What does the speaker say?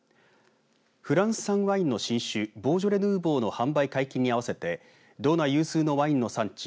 フランス産ワインの新酒ボージョレ・ヌーボーの販売解禁に合わせて道内有数のワインの産地